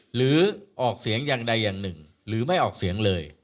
หรือออกเสียงอย่างใดอย่างหนึ่งหรือไม่ออกเสียงเลย